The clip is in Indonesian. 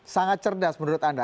sangat cerdas menurut anda